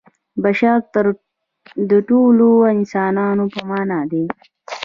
بشر د ټولو انسانانو په معنا دی.